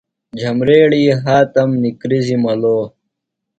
جھمبریڑیۡ ہاتم نِکرزِیۡ ملو